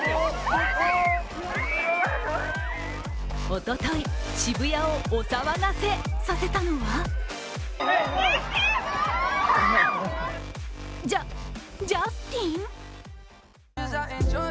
おととい、渋谷をお騒がせさせたのはジャ、ジャスティン？